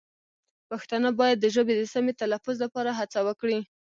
پښتانه باید د ژبې د سمې تلفظ لپاره هڅه وکړي.